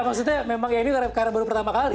maksudnya memang ya ini karena baru pertama kali